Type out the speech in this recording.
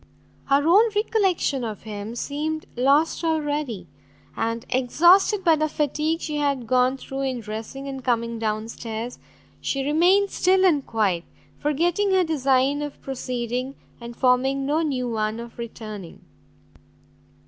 Her own recollection of him seemed lost already; and exhausted by the fatigue she had gone through in dressing and coming down stairs, she remained still and quiet, forgetting her design of proceeding, and forming no new one for returning.